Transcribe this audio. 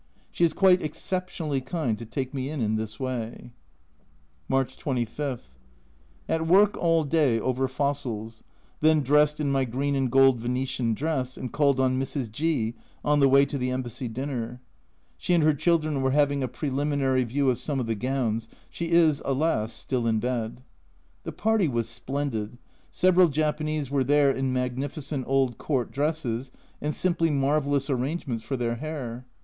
She is quite exceptionally kind to take me in in this way. March 25. At work all day over fossils then dressed in my green and gold Venetian dress and called on Mrs. G on the way to the Embassy dinner. She and her children were having a pre A Journal from Japan 117 liminary view of some of the gowns she is, alas, still in bed. The party was splendid several Japanese were there in magnificent old court dresses and simply marvellous arrangements for their hair.